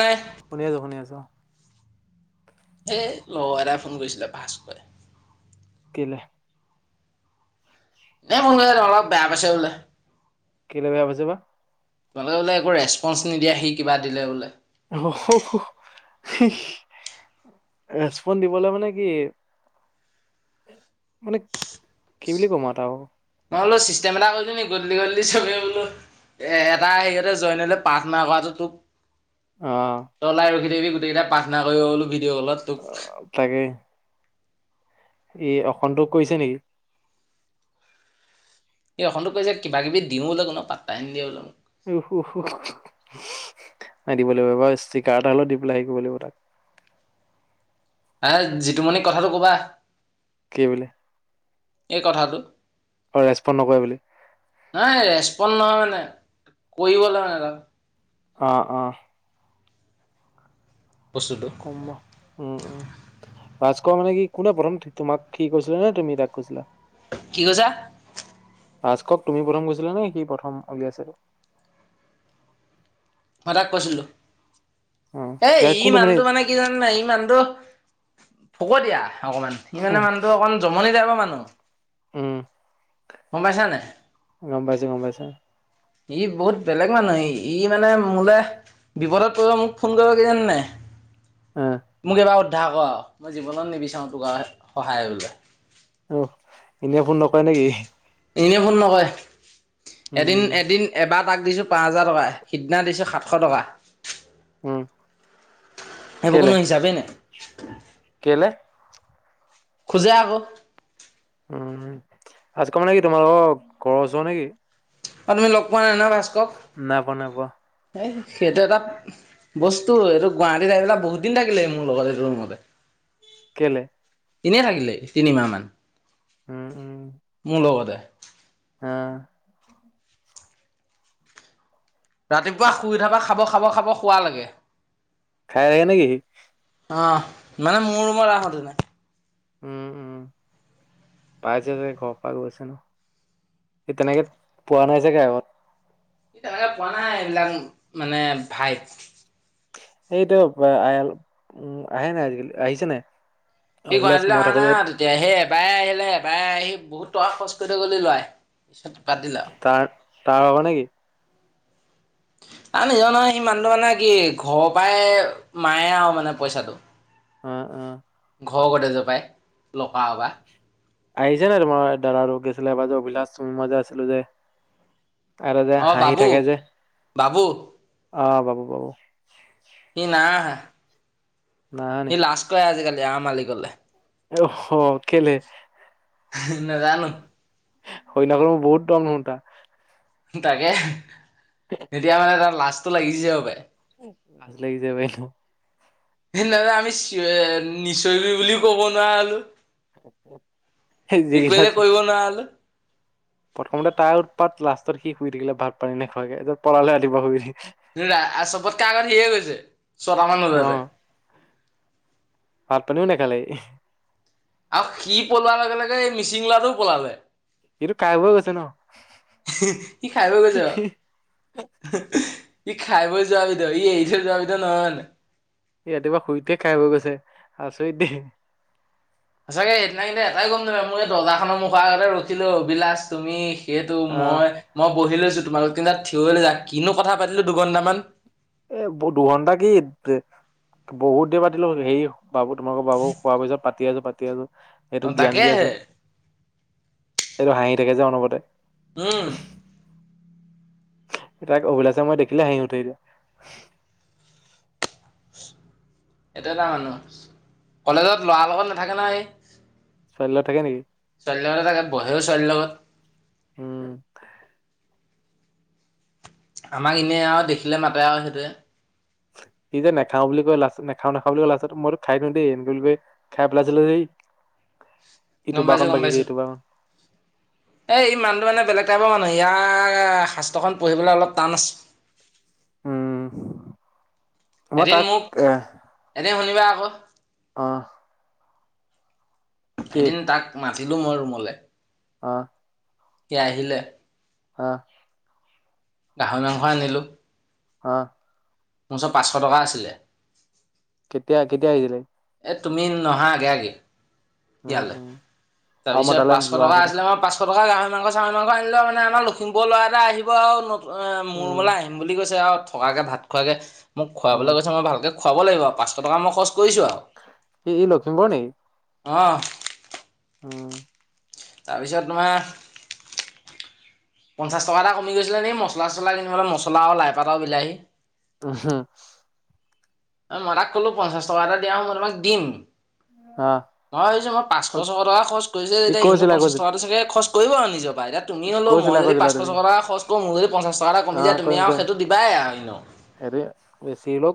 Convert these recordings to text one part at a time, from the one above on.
নাই শুনি আছো শুনি আছো। এ লগৰ এটাই ফোন কৰিছিলে ভাস্কৰে ছিলে এই মোক বোলো অলপ বেয়া পাইছে বোলো কেলে বেয়া পাইছে বা তোমালোকে বোলে একো ৰেচপঞ্চ নিদিয়া সি কিবা দিলে বোলে ৰেচপন দিবলে মানে কি মানে কি বুলি কম আও তাক নহলো চিষ্টেম এটা কৰি দিও নেকি গধূলি গধূলি চবে বোলো এটা হেৰিতে জইন হৈ লৈ প্ৰাৰ্থনা কৰাটো তোক অহ তই ওলাই ৰখি থাকিবি গোটেই কেইটাই প্ৰাৰ্থনা কৰিব বোলো ভিডিঅ' কলত তোক তাকে ই অসন্তোষ কৰিছে নেকি ই অসন্তোষ কৈছে কিবা কিবি দিও বোলে কোনো পাত্তাই দিয়ে বোলে মোক [unintelligible] দিব লাগিব এবাৰ ষ্টিকাৰ এটা হলেও দি পেলাই সেই কৰিব লাগিব তাক হা জিতুমণিক কথাটো কবা কি বুলি এই কথাটো ৰেচপন নকৰে বুলি নাই ৰেচপঞ্চ নহয় নাই কৰিব লাগে মানে তা অ অ বস্তুটো কম উম উম,, ভাস ক মানে কি কোনে পঢ়ম তোমাক কি কৈছিলা নে তুমি তাক কৈছিলা কি কৈছা ভাস কক তুমি প্ৰথম কৈছিলা নে সি প্ৰথম উলিয়াইছিল, সদাক কৈছিলোঁ অ এ ইয়াত কোনটো ইমানটো মানে কি জান নাই ইমানুটো হব দিয়া, অকণমান স মানে মুহটো অকণমান জমনি যাই মানে, অ উম মম পাইছা নাই? গম পাইছো গম পাইছো, ই বহুত বেলেগ মানুহে ই কি মানে মোলৈ বিপদত পৰিব মোক ফোন কৰিবগৈ নাই - - অ মোক এবাৰ - - সধা ক আৰু মই জীৱনত নিবিচাৰোঁ তোক আৰু সহায়লৈ আহ, এনেই ফোন নকৰে নেকি? এনেই ফোন নকৰে। উম এদিন-এদিন এবাৰ তাক দিছোঁ পাঁচ হাজাৰটকা সিদিনা দিছোঁ সাতশ টকা উম। সেইবোৰ কেলে কোনো হিচাপেই নাই। কেলে খোজে আকৌ। [unintelligible] আৰু তুমি লগ পোৱা নাই নাই পোৱা নাই পোৱা। এই সেইটো এটা বস্তু এইটো গুৱাহাটীত আহ পেলাই বহুত দিন থাকিলে মোৰ লগত এইটো ৰুমতে। কেলে? এনেই থাকিলে তিনিমাহ মান। মোৰ লগতে। [inaudible] হা। ৰাতিপুৱা শুই উ থাবা খাব খাব খাব শুৱ লাগে। খাই লাগে নেকি অ মানে মোৰ ৰুমত আহোতে উম', উম, পাইছে তেনেকে পোৱা নাই এইবিলাক মানে ভাইত। [unintelligible] [unintelligible] অভিলাষ বাই মই থাকোতে আহিলে বাই আহি বহুত টকা খৰচ কৰি থ গলে লয় পিত তাৰ তাৰ হব নেকি? [unintelligible] অ', অ,। [unintelligible] আহিছে ন তমাৰ দাল ৰ গৈছিলে [unintelligible] অ বাবু', বাবু,। অ বাবু', বাবু,। [unintelligible] নাহা নি স লাষ্ট ক আজিকালি [unintelligible] অ কেলে? নাজানো [unintelligible] তাকে। তেতিয়া মানে তাৰ লা [unintelligible] লাজ লাগিছে বে সেইদিনা যে ' আমি চিঞ নিঞৰিবি বুলিও কব নোৱাৰা হলো। যিকেইটা একোয়ে যে আছে কৰিব নোৱাৰা হলো? প্ৰথমতে তাৰ উৎপাত লাষ্টত সি শুই থাকিলে ভাত পানী নেখোৱাকে এ পলালে ৰাতিপুৱা শুই উঠি। [inaudible] চবতকে আগত সিয়ে গৈছে ছট মান অ বজাতে। ভাত পানীও নেখালে সি। আৰু সি পলোৱাৰ লগে লগে এই মিচিং ল'ৰাটোও পলালে। সিটো খাই বৈ গৈছে ন? সি খাই বৈ গৈছে আৰু। ই খাই বৈ যোৱা বিধৰ ই এৰি থৈ যোৱা বিধৰ নহয় হয়নে? সি ৰাতিপুৱা শুই উঠিয়েই খাই হৈ গৈছে আছৰিত দেই। সচাকে সেইদিনা কিন্তু এটাই গ'ম নাপায় মই এই দৰ্জাখনৰ মুখৰ পৰা আগতে ৰৈছিলো অভিলাচ তুমি। সেইেটো অ মই মই বহি লৈছোঁ। তোমালোক তিনিতা থিয় হৈ লৈছা কিনো কথা পাতিলো দুঘণ্টা মান।। এ ব দুঘন্টা কি বহুত দেৰি পাতিলো হেৰি।। বাবু তোমোলোকৰ বাবু খোৱাৰ পিছত পাতি আছোঁ পাতি আছোঁ। [inaudible] অ' সেইটোক জ্ঞান দি আছে। তাকেহে এইটো হাঁহি থাকে যে অনবৰতে। উম তাইক অভিলাছে মই দেখিলে হাঁহি উঠে এতিয়া। [inaudible] এইটো এটা মানুহ কলেজত ল'ৰাৰ লগত নাথাকে নহয়। ছোৱালীৰ লগত থাকে নেকি? ছোৱালীৰ লগত থাকে বহেও ছোৱালীৰ লগত। উম। আমাক এনেই আৰু দেখিলে মাতে আৰু সেইটোৱে। সি যে নেখাওঁ বুলি কয়, লাষ্টত নেখাওঁ নেখাওঁ বুলি কৈই লাষ্টত সকলো খাই দিওঁ দেই এই বুলি কৈ খাই পেলাইছিল যে। ইটো গম পাইছো বাকন গম বাগিছে পাইছো ইটো বাকন এ ই মানুহটো মানে বেলেগ টাইপৰ মানুহ ইয়াৰ শাস্ত্ৰখন পঢ়িবলৈ অলপ টান আছে। উম। ম তাক এহ। কোৱা আগত অহ এদিন তাক মা ছিলো মোৰ ৰুমলে। অহ। কি আহিলে। অহ। গাহৰি মাংস আনিলো। অহ। মোৰ ওচৰত পাঁচশ টকা আছিলে কেতিয়া কেতিয়া আহিছিলে এই তুমি নহা আগে উম ইয়ালৈ উম আৰু মই তাৰপিছত তালৈ পাঁচশ যোৱা টকা আগতে আছিলে মোৰ পাঁচশ গাহৰি মাং চাৰি মং আনিলে মানে আম লখিপ ল'ৰা এটা আহিব আৰু অ মোৰ উম মানে আহিম বুলি কৈছে আৰু থকাকে ভাত খোৱাকে মোক উম খোৱাবলৈ গৈছে মই ভালকে খুৱাব লাগিব পাঁচশ টকা মই খৰচ কৰিছো আৰু ই ই লখিমপুৰ নেকি অ উম তাৰপিছত তোমাৰ পঞ্চাছ টকা এটা কমি গৈছিলে দেই মছলা চছলা কিনিব অল মছলা আৰু লাইপাত আৰু বিলাহী [unintelligible] মাৰাক কলো পঞ্চাশ টকা এটা দিয়া হু মই তোমাক দিম অ মই ভাবিছো মই পাঁচশ টকা খৰচ কৰিছো ই তেতিয়া হিনো কৈছিলা পঞ্চাশ কৈছিল টকাটো চাগে খৰচ কৰিব আৰু নিজক বাই তুমি হ'লেও কৈছিলা মই যদি কৈছিলা পাঁচশ ছশ তুমি টকা খৰচ কৰোঁ মোৰ যদি পঞ্চাছ টকা এটা অ কমি যায় তুমি কৰিম আৰু কৰিম সেইটো দিবাই আৰুন হেৰি বেছি হলেও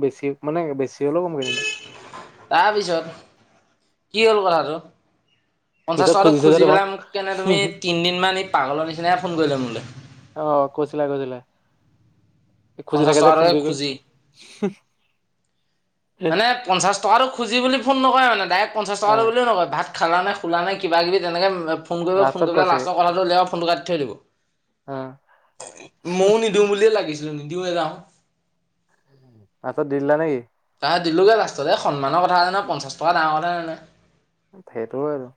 বেছি মানে বেছি হলেও কমকৈ তাৰপিছত কি হ'ল কথাটো পঞ্চাশ পিছত টকাতটো খুজিছে যে খুজি তোমাক পেলাই মোক কেনে তুমি তিনদিনমান ই পাগলৰ নিচিনাই ফোন কৰিলে মোলে অ কৈছিলা কৈছিলা খুজি থাকে যে ফোন কৰি কৰি অ মানে পঞ্চাশ টকাৰো খুজি বুলি ফোন নকৰে মানে ডাৰেক পঞ্চাশ টকা বুলি নকয় খালা নে খোলা নে কিবাকিবি তেনেকৈ ফোন কৰিব ফোন লাষ্টত কৰিব কৈছে লাষ্টৰ কথাটো উলিয়াই ফোনটো কাটি থৈ দিব অ মইও নিদিওঁ বুলিয়ে লাগিছ। নিদিওঁৱেই যা লাষ্টত দি দিলা নেকি দিলো গৈ লাষ্টত সন্মানৰ কথা [unintelligible] পঞ্চাছ টকা ডাঙৰ কথা নহয়। সেইটো হয় আৰু।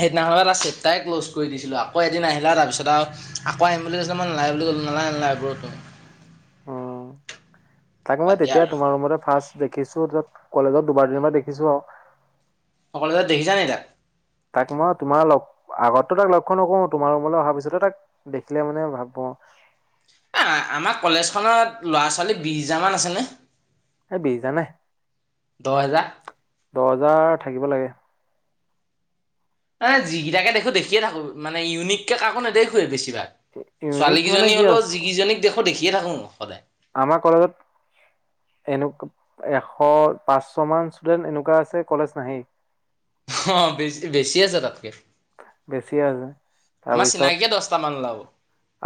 সেইদিনাখন ট' চেপ্তাৰেই ক্ল'জ কৰি দিছিলোঁ, আকৌ এদিন আহিলা তাৰিছত আৰু আকৌ আহিম বুলি কৈছিলোঁ মই নলাই বুলি ক'লো, নালাগে নালাগেটো উম, তাকে বাদ মই দিয়া তেতিয়া আৰু তোমাৰ ৰুমতে ফাৰ্ষ দেখিছোঁ তাত কলেজত দুবাৰ তিনিবাৰ দেখিছোঁ আৰু। সকলোতে দেখিছা নাই তাক? তাক মই তোমাৰ লগ আগৰ পৰা তাক লক্ষ্য নকৰোঁ তোমাৰ ৰুমলৈ অহাৰ পিছতো তাক দেখিলে মানে ভাবোঁ আৰু। আমাৰ কলেজখনত ল'ৰা-ছোৱালী বিশ হাজাৰমান আছেনে। এ বিছ হাজাৰ নাই দহ হেজাৰ দহ হাজাৰ থাকিব লাগে। এ যিকেইটাকে দেখো দেখিয়ে থাকোঁ, মানে ইউনিককে কাকো নেদেখোঁৱে বেছি। [unintelligible] ছোৱালী ইউনিক মানে কেইজনী কি হলেও আৰু যিকেইজনীক দেখ দেখি। দিয়ে থাকো সদায়। আমাৰ কলেজত এশ পাঁচশমান ষ্টুডেণ্ট এনেকুৱা আছে কলেজ নাহেই। অ', বেছ বেছি আছে তাতকে। বেছি আছে আমাৰ তাৰপিছত চিনাকিয়ে দহটামান ওলাব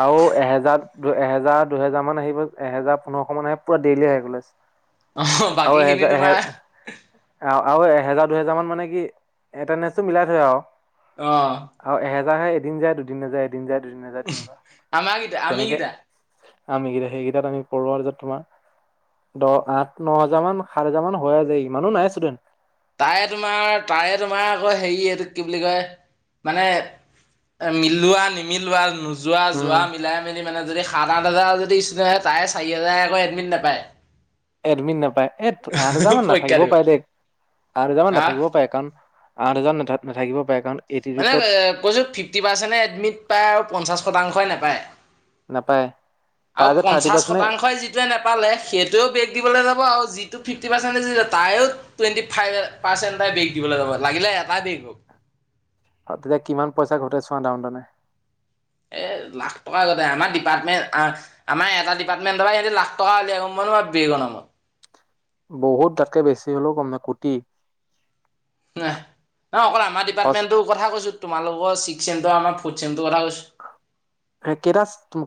আৰু এহেজাৰ দু এহেজাৰ দুহেজাৰ মান আহিব এহেজাৰ পোন্ধৰশ মান আহে পুৰা ডেইলি আহে কলেজ। আহ আৰু বাকী খিনি এহেজাৰ এহে তোমাৰ আৰু এহেজাৰ দুহেজাৰ মান মানে কি এটেডেঞ্চটো মিলাই থৈ আৰু। অ '। যাহে এদিন যায় দুদিন নাযায় এদিন যায় দুদিন নাযায় তেনেকুৱা আমাৰ গেইটা আমি গীতা। আমি গীতা সেইকেইটাত আমি পৰো আৰু তাৰপিছত তোমাৰ দহ আঠ ন হাজাৰ মান সাত হাজাৰ মান হৈ যায় ইমানো নাই ষ্টুডেণ্ট। তাৰে তোমাৰ তাৰে তোমাৰ আকৌ হেৰি এইটো কি বুলি কয় মানে এ মিলোৱা নিমিলোৱা নো- যোৱা উম যোৱা মিলাই মেলি মানে যদি সাত আঠ হাজাৰ যদি ষ্টুডেণ্ট হয় তাই চাৰি হাজাৰকৈ এডমিট নাপায়। এডমিট নাপায়। এ আঠ হজাৰ মান পৰীক্ষা নাথাকিবও দিব পাৰে দে আঠ হজাৰ মান আহ নাথাকিবও পাৰে কাৰণ আঠ হাজাৰ নাথ নাথাকিব পাৰে কাৰণ মানে এইটিটিউডত কৈছো ফিফটি পাৰ্চেণ্ট এডমিট পাই আৰু পঞ্চাশ শতাংশই না পায়। নাপায় আৰু তাৰ যে থাৰ্টি পঞ্চাশ পাৰ্চেণ্টে শতাংশই যিটোৱে নোপালে সেইটোৱেও বেগ দিবলৈ যাব আৰু যি টো ফিফটি পাৰ্চেণ্টেজ তায়ো টুৱেণ্টি ফাইভ পাৰ্চেণ্টাই বেগ দিবলৈ যাব লাগিলে এটাই বেগ হ'ক। আৰু তেতিয়া কিমান পইচা ঘটাই চোৱা ডাউ দে এ লাখ টকা আগতে আমাৰ ডিপাৰ্টমেণ্ট আমাৰ এটা ডিপাৰ্টমেণ্টৰ সিহঁতে লাখটকা উলিয়াইম মই নহ বেগৰ নামত। বহুত তাতকে বেছি হ'লেও কম নহয় কোটি। ন ন অকল আমাৰ সচ ডিপাৰ্টমেন্টৰ কথা কৈছো তোমালোকৰ ছেম টো আৰু আমাৰ ফৰ্থ ছেম টো কথা কৈছো। কেইটা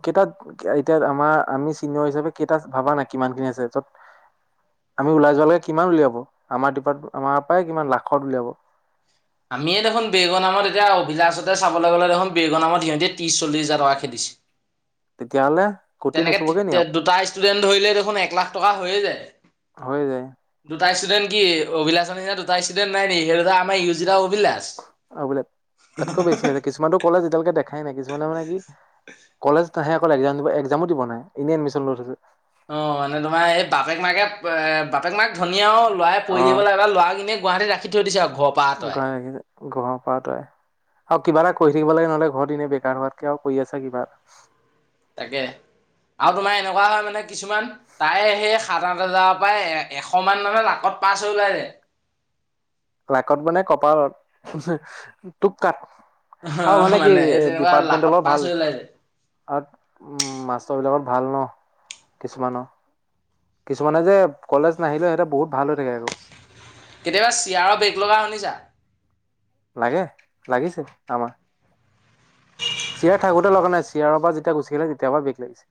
কেইটাত এতিয়া আমাৰ আমি চিনিয়ৰ হিচাপে কেইটা ভবা নাই কিমানখিনি আছে য'ত আমি ওলাই যোৱালৈকে কিমান উলিয়াব আমাৰ ডিপাৰ্টে আমাৰ পৰা কিমান লাখত উলিয়াব। আমিয়ে দেখোন বেগু নামত এতিয়া অভিলাষতে চাবলৈ গ'লে দেখোন বেগু নামত সিহঁতি ত্ৰিছ চল্লিছ হাজাৰ টকা খেদিছে। তেতিয়াহ'লে কোটি তেনেকে নুচুবগে নি আৰু দুটা ষ্টুডেন্ট ধৰিলে দেখোন এক লাখ টকা। বা হৈয়ে যায়। হৈ যায়। দুটাষ্টুডেণ্ট কি অভিলা দুটা ষ্টুডেণ্ট নাই নে সেই আমাৰ ইউ জ অ', বোলে তাতকৈ বেছি আছে কিছুমানক কলেজ এতিয়ালৈকে দেখাই নাই কিছুে মানে কি কলেজ নাহে অকল এক্সাম দিব এক্সামো দিব নাই এনেই এডমিশন লৈ থৈছে। অ', মানে তোমাৰ এই বাপেক মাকে এ বাপেক মাক ধনী আৰু লৰাই পৰি অ দিব লাগে বা ল'ৰা এনে গুৱাহাটীত ৰাখি [unintelligible] আঁতৰাই [unintelligible] ঘৰৰ পৰা তই আৰু কিবা এটা কৰি থাকিব লাগে নহ'লে ঘৰত এনে বেকাৰ হোৱাতকে আৰু কৰি আছা কিবা। তাকে আৰু তোমাৰ এনেকুৱা হয় মানে কিছুমান তাই সেই সাত আঠ হাজাৰৰ পৰা এ এশ মান মানে নাকত পাছ হৈ ওলাই যে, লাকত মানে কপালত টোক টাক। অ আৰু মানে কি এই তেনেকুৱা ডিপাৰ্টমেন্টৰ লাখত লগত পাছ ভাল হৈ ওলাই যায়। আৰু উ মাষ্টৰ বিলাকৰ। ভাল ন কিছুমানৰ কিছুমানে যে কলেজ নাহিলেও সিহঁতে বহুত ভাল হৈ থাকে আকৌ। কেতিয়াবা চিয়াৰৰ বেক লগা শুনিছা। লাগে লাগিছিল আমাক। চিয়াৰ থাকোতে লগা নাই চিয়াৰৰ পৰা যেতিয়া গুছি গ'লে তেতিয়াৰ পৰা বেগ লাগিছে।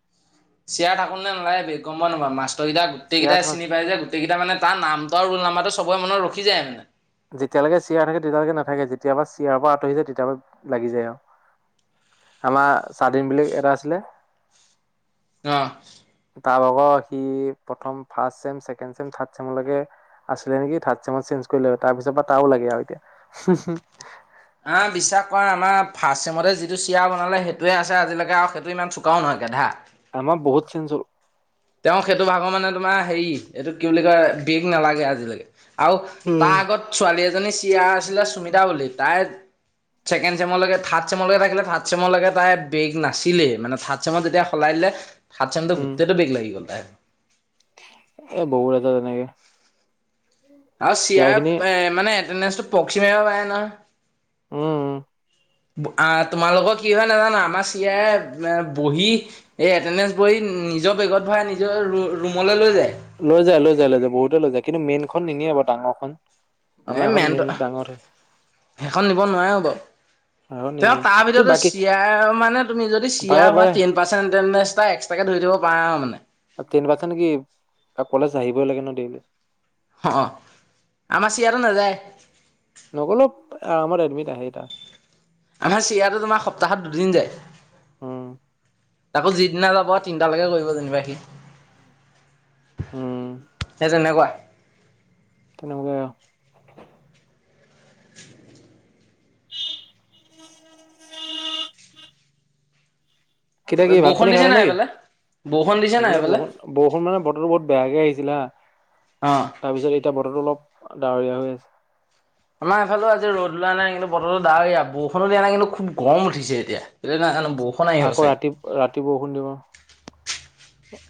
চিয়াৰ থাকো নে নালাগে বেগমই নাপা মাষ্টৰেইটটা চিয়াৰ গোটেইটাই থ চিনি পাই যে গোটেইকেইটা মানে তাৰ নাম। ত ৰোল নমবৰটো চবৰে মনত ৰখি যায় মানে। যেতিয়ালৈকে চিয়াৰ থাকে তেতিয়ালৈকে নাথাকে যেতিয়াৰা চিয়াৰৰ পৰা আঁতৰি যায় তেতিয়াৰ পৰাা লাগি যায় আৰু আমাৰ চাদিন বুলি এটা আছিলে। অঁ। তাৰ লগৰ সি প্ৰথম ফাৰ্ষ্ট চছেম ছেকেণ্ড চেম থাৰ্ড চেমলৈকে আছিলে নেকি থাৰ্ড চেমত চেঞ্জ কৰিলে। তাৰ পিছৰ পৰা তাৰও লাগে আৰু এতিয়া। অ বিশ্বাস কৰা আমাৰ ফাৰ্ষ্ট চেমতে যিটো চিয়াৰ বনালে সেইটোৱে আছে আজিলৈকে আৰু সেইটো ইমান চোকাও নহয় গেধা। আমাৰ বহুত চেঞ্জ হ'ল। তেওঁ সেইটো ভাগৰ মানে তোমাৰ হেৰি এইটো কি বুলি কয় বিষ নালাগে আজিলৈকে। আৰু তাৰ আগত ছোৱালী এ [unintelligible] চিয়া আছিলে সুমিতা বুলি তাই চেকেণ্ড চেৰেলেকে থাৰড চেমৰলেকে থাকিলে থাৰ চেমৰ লেকে তাই বেগ নাছিলে মানে থাৰ্ড চেমত যেতিয়া সলাই দিলে থাৰ্ড চেমতো উম গোটেইটো বেগ লাগে [unintelligible] এ' বহু এটা তেনেকে। আৰু চিয়াৰ খিনি চাৰ মানে [inaudible] পক্ষী [unintelligible] উম। আ তোমালোকৰ কি হয় নাজানো আমাৰ চিয়ৰ বহি এই এটেন্ডেচ নিজৰ বেগত ভৰাই নিজৰ ৰুমলৈ লৈ যায়। লৈ যায় লৈ যায় লৈ যায় বহুতে লৈ যায় কিন্তু মেইন খ খন নিনিয়ে বা ডাঙৰখন। আমাৰ এ' এখন মেইন মেনটো ডাঙৰ সেখন নিব নোৱাৰাৰেো বাৰু এখন তেওঁ নিনিয়ে তাৰ কি ভিতৰত বাকী চিয়াৰ মানে তুমি যদি পাৰে চিয়াৰ হোৱা পাৰে টেন পাৰ্চেন্ট ঞ্চ এটা এক্ট্ৰাকে তুলি দিব পাৰে আৰু মানে। টেইন পাৰঞ্চেত কি কলেজ আহিবই লাগে ন ডেইলি। অ আমাৰ চিয়াৰ আৰু নাযায়। [inaudible] নগলেও আৰামত এডমিট আহে এটা। আমাৰ চিৰিয়াটো তোমাৰ সপ্তাহত দুদিন যায়। হম। আকৌ যিদিনা যাব তিনিটালৈকে কৰিব যেনিবা সি। উম সেই তেনেকুৱা। তেনেকুৱাই [inaudible] কেতিয়া কি ভাত বৰষুণ পানী দিছে খালে নাই নেকি সেইফালে? বৰষুণ দিছে নাই এইবোলে সেইফালে? বৰষুণ-বৰষুণ মানে বতৰো বহুত বেয়াকে আহিছে। দিলা? অ। তাৰপিছত এতিয়া বতৰতো অলপ ডাৱৰীয়া হৈ আছে। আমাৰ এইফালে আজি ৰদ ললোৱা নাই কিন্তু বতৰো দাওৰিয়া বৰষুনো দিয়া নাই কিন্তু খুব গৰম উঠিছে এতিয়া। বৰষুণ আহিব আকৌ চাগে ৰাতি-ৰাতি বৰষুণ দিব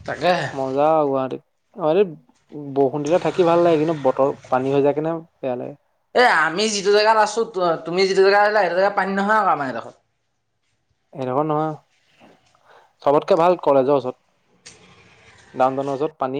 তাকেহে। মজা আৰু গুৱাহাটীত বৰষুণ দিলে থাকি ভাল লাগে, কিন্তু বতৰ পানী হৈ যায় কিনে বেয়া লাগে। এ আমি যিটো জেগাত আছো, তুমি যিটো জেগাত আহিলা সেইটো জেগাত পানী নহয়, আৰু আমাৰ এডোখৰত এদখত নহয় চবতকে ভাল কলেজৰ ওচৰত ডাউনটাউনৰ ওচৰত পানী